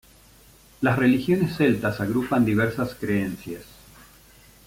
Las religiones celtas agrupan diversas creencias.